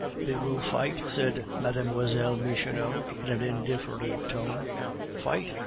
"They will fight," said Mlle. Michonneau, in an indifferent tone. "Fight!"